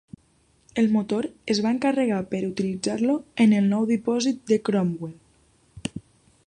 El motor es va encarregar per utilitzar-lo en el nou dipòsit de Cromwell.